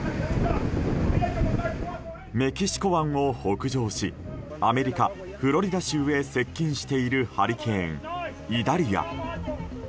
メキシコ湾を北上しアメリカ・フロリダ州へ接近しているハリケーン、イダリア。